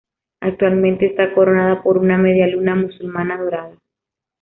Actualmente está coronada por una media luna musulmana dorada.